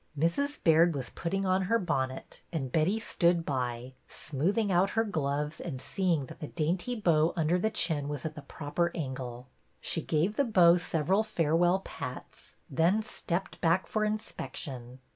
Mrs. Baird was putting on her bonnet, and Betty stood by, smoothing out her gloves and seeing that the dainty bow under the chin was at the proper angle. She gave the bow several farewell pats, then stepped back for inspection.